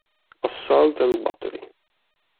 Assault and Battery